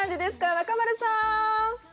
中丸さん！